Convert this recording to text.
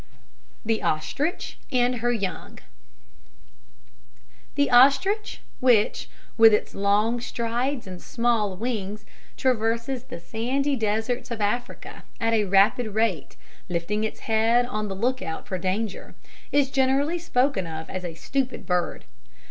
THE OSTRICH AND HER YOUNG. The ostrich, which, with its long strides and small wings, traverses the sandy deserts of Africa at a rapid rate, lifting its head on the look out for danger, is generally spoken of as a stupid bird.